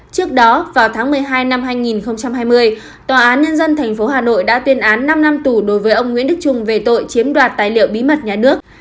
trước đó vào tháng một mươi hai năm hai nghìn hai mươi tòa án nhân dân tp hà nội đã tuyên án năm năm tù đối với ông nguyễn đức trung về tội chiếm đoạt tài liệu bí mật nhà nước